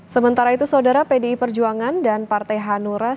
sementara itu saudara pdi perjuangan dan partai hanura